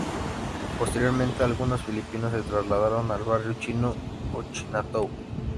Posteriormente, algunos filipinos se trasladaron al Barrio Chino o Chinatown.